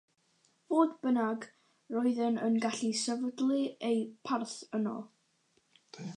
Fodd bynnag, roeddent yn gallu sefydlu eu parth yno.